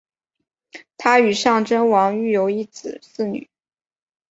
她与尚贞王育有一子四女。